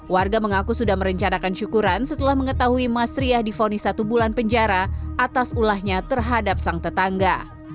warga mengaku sudah merencanakan syukuran setelah mengetahui mas riah difonis satu bulan penjara atas ulahnya terhadap sang tetangga